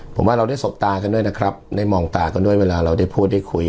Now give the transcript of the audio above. ผมว่าเราได้สบตากันด้วยนะครับได้มองตากันด้วยเวลาเราได้พูดได้คุย